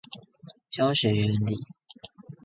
教學原理